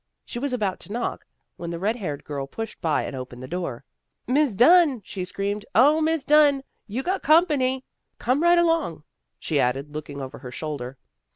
She was about to knock, when the red haired girl pushed by and opened the door. " Mis' Dunn," she screamed. " 0, Mis' Dunn, you got company. Come right along," she added, looking over her shoulder.